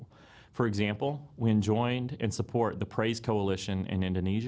contohnya kami telah bergabung dan mendukung koalis pembangunan pembangunan indonesia